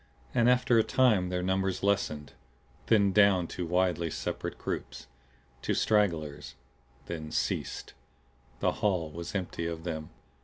And after a time their numbers lessened; thinned down to widely separate groups, to stragglers; then ceased. The hall was empty of them.